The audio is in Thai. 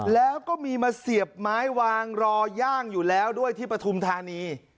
แล้วก็มีมาเสียบไม้วางรอย่างอยู่แล้วด้วยที่ปฐุมธานี